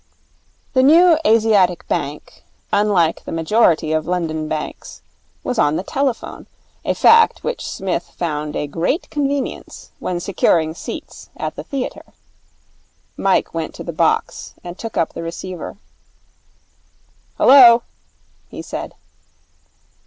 The New Asiatic Bank, unlike the majority of London banks, was on the telephone, a fact which Psmith found a great convenience when securing seats at the theatre. Mike went to the box and took up the receiver. 'Hullo!' he said.